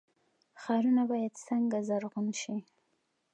ښارونه باید څنګه زرغون شي؟